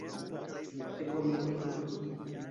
ekonomio